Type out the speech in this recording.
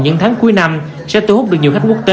những tháng cuối năm sẽ thu hút được nhiều khách quốc tế